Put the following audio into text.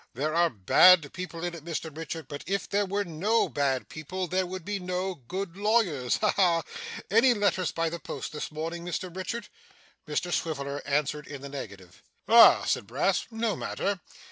There are bad people in it, Mr Richard, but if there were no bad people, there would be no good lawyers. Ha ha! Any letters by the post this morning, Mr Richard?' Mr Swiveller answered in the negative. 'Ha!' said Brass, 'no matter.